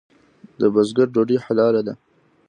د بزګر ډوډۍ حلاله ده؟